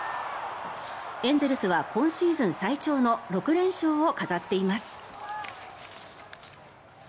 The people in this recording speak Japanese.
エンゼルスは今シーズン最長の６連勝を飾っています。